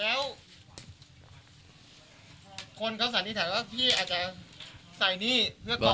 แล้วคนเขาสั่นผิดว่าพี่อาจจะใส่หนี้เพื่อกล่อเหตุ